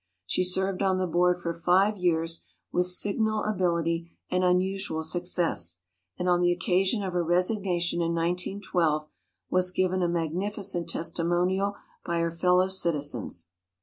She served on the Board for five years with signal ability and unusual suc cess, and on the occasion of her resignation in 1912 was given a magnificent testimonial by her fellow citizens.